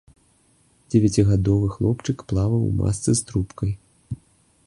Дзевяцігадовы хлопчык плаваў у масцы з трубкай.